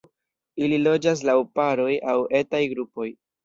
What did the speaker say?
Ili loĝas laŭ paroj aŭ etaj grupoj.